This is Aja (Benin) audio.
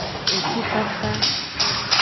Ngutifafa.